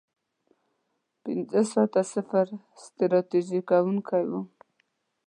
پنځه ساعته سفر ستړی کوونکی و.